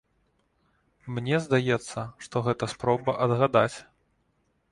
Мне здаецца, што гэта спроба адгадаць.